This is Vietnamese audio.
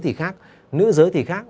thì khác nữ giới thì khác